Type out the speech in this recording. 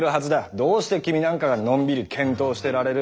どうして君なんかがのんびり検討してられる？